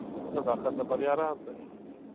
• صداقت د بریا راز دی.